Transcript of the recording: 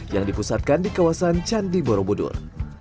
yang dipusatkan di kawasan candi borobudur